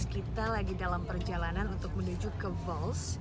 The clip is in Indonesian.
kita sudah sampai di bus